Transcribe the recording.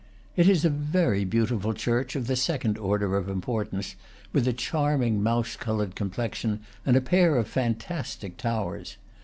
It is a very beautiful church of the second order of importance, with a charming mouse colored com plexion and a pair of fantastic towers.